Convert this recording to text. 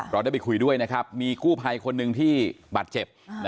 เราได้ไปคุยด้วยนะครับมีกู้ภัยคนหนึ่งที่บาดเจ็บ